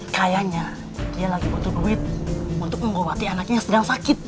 kayaknya dia lagi butuh duit untuk menggowati anaknya yang sedang sakit